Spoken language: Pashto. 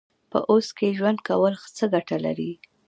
په اوس کې ژوند کول څه ګټه لري؟